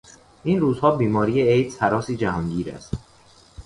این روزها بیماری ایدز هراسی جهانگیر است.